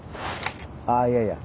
あっいやいや。